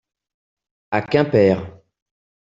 à Quimper.